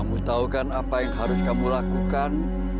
mesti tahu kan apa yang harus kamu lakukan